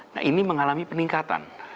nah ini mengalami peningkatan